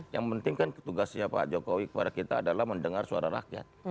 yang penting kan tugasnya pak jokowi kepada kita adalah mendengar suara rakyat